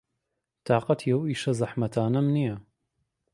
تاقەتی ئەو ئیشە زەحمەتانەم نییە.